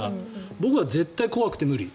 僕は絶対に怖くて無理。